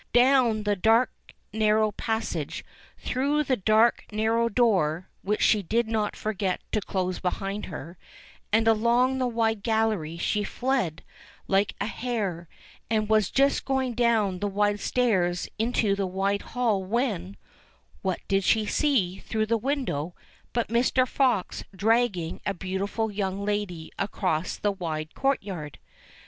Down the dark narrow pas sage, through the dark narrow door (which she did not forget to close behind her) and along the wide gallery she fled like a hare, and was just going down the wide stairs into the wide hall when, what did she see, through the window, but Mr. Fox dragging a beautiful young lady across the wide courtyard.